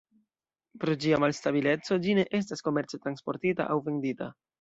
Pro ĝia malstabileco ĝi ne estas komerce transportita aŭ vendita.